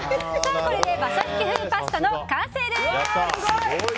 これで馬車引き風パスタの完成です。